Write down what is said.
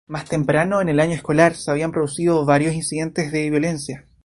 Más temprano en el año escolar, se habían producido varios incidentes de violencia.